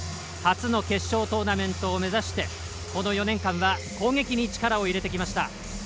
初の決勝トーナメントを目指してこの４年間は攻撃に力を入れてきました。